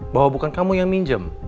bahwa bukan kamu yang minjem